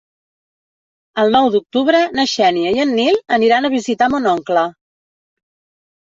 El nou d'octubre na Xènia i en Nil aniran a visitar mon oncle.